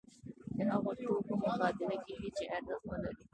د هغو توکو مبادله کیږي چې ارزښت ولري.